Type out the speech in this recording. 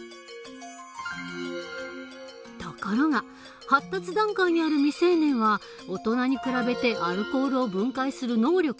ところが発達段階にある未成年は大人に比べてアルコールを分解する能力が弱い。